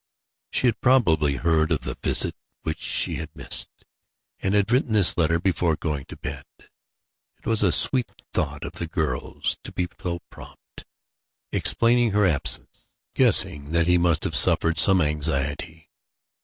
She had probably heard of the visit which she had missed, and had written this letter before going to bed. It was a sweet thought of the girl's to be so prompt in explaining her absence, guessing that he must have suffered some anxiety.